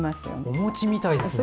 お餅みたいですね。